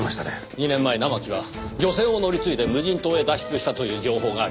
２年前生木は漁船を乗り継いで無人島へ脱出したという情報があります。